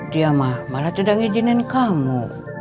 dia mah malah tidak mengizinin kamu